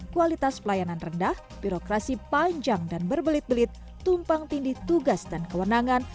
kualitas pelayanan rendah birokrasi panjang dan berbelit belit tumpang tindih tugas dan kewenangan